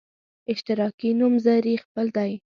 اشتراکي نومځري خپل دی.